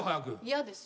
嫌です。